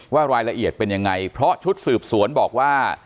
รายละเอียดเป็นยังไงเพราะชุดสืบสวนบอกว่า